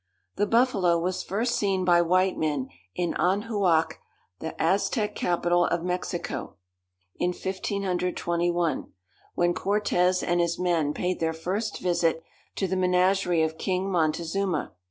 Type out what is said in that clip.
The buffalo was first seen by white men in Anahuac, the Aztec capital of Mexico, in 1521, when Cortez and his men paid their first visit to the menagerie of King Montezuma.